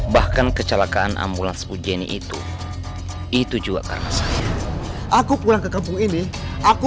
pulang ke kampung ini aku dicap sebabnya aku tidak bisa kembali ke kampung ini aku